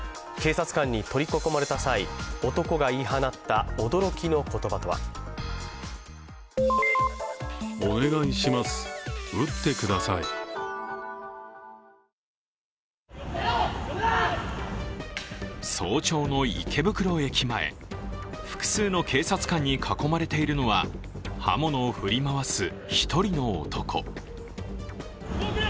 警察官に取り囲まれた際、男が言い放った驚きの言葉とは早朝の池袋駅前、複数の警察官に囲まれているのは刃物を振り回す１人の男。